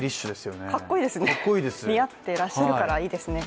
似合っていらっしゃるからいいですね。